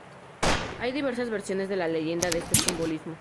Hay diversas versiones de la leyenda de este simbolismo.